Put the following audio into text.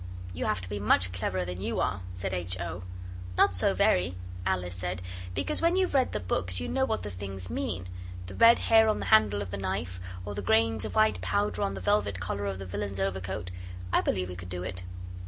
'You have to be much cleverer than you are,' said H. O. 'Not so very,' Alice said, 'because when you've read the books you know what the things mean: the red hair on the handle of the knife, or the grains of white powder on the velvet collar of the villain's overcoat. I believe we could do it.